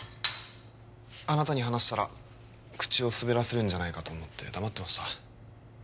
あなたに話したら口を滑らせるんじゃないかと思って黙ってました